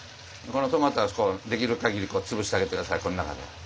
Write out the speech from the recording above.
このトマトはできるかぎり潰してあげて下さいこの中で。